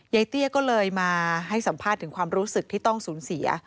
เตี้ยก็เลยมาให้สัมภาษณ์ถึงความรู้สึกที่ต้องสูญเสีย